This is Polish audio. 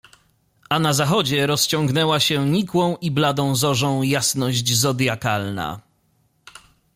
A na zachodzie rozciągnęła się nikłą i bladą zorzą jasność zodyakalna.